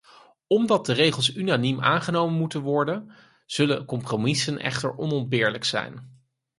Omdat de regels unaniem aangenomen moeten worden, zullen compromissen echter onontbeerlijk zijn.